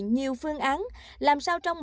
nhiều phương án làm sao trong